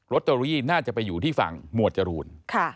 ตเตอรี่น่าจะไปอยู่ที่ฝั่งหมวดจรูน